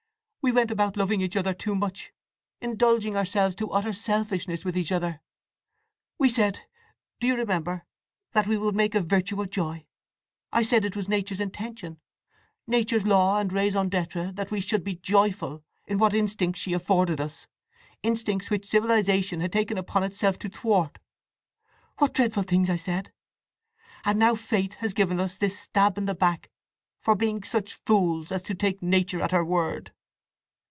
We went about loving each other too much—indulging ourselves to utter selfishness with each other! We said—do you remember?—that we would make a virtue of joy. I said it was Nature's intention, Nature's law and raison d'être that we should be joyful in what instincts she afforded us—instincts which civilization had taken upon itself to thwart. What dreadful things I said! And now Fate has given us this stab in the back for being such fools as to take Nature at her word!"